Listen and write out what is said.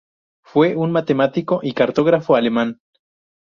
Fue un matemático y cartógrafo alemán.